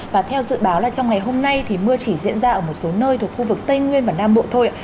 và theo dự báo là trong ngày hôm nay thì mưa chỉ diễn ra ở một số nơi thuộc khu vực tây nguyên và nam bộ thôi